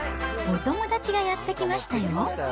お友達がやって来ましたよ。